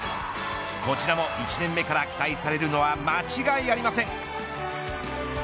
こちらも１年目から期待されるのは間違いありません。